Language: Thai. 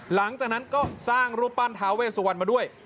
หลังจากนั้นก็สร้างรูปปั้นทาเวสุวรรณมาด้วย